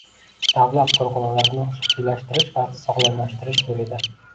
Davlat korxonalarini xususiylashtirish va sog‘lomlashtirish yo‘lida